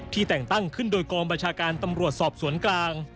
แต่งตั้งขึ้นโดยกองบัญชาการตำรวจสอบสวนกลาง